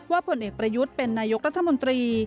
ผลเอกประยุทธ์เป็นนายกรัฐมนตรี